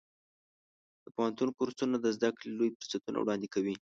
د پوهنتون کورسونه د زده کړې لوی فرصتونه وړاندې کوي.